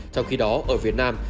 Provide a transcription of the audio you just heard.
trong khi đó ở việt nam